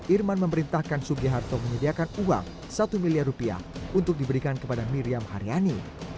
irman memerintahkan sudiharto menyediakan uang rp satu miliar untuk diberikan kepada miriam haryani